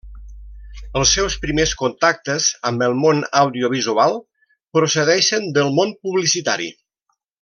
Els seus primers contactes amb el món audiovisual procedeixen del món publicitari.